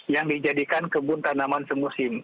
yang dijadikan kebun tanaman semusim